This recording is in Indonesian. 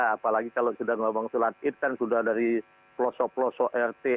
apalagi kalau sudah ngomong sholat id kan sudah dari pelosok pelosok rt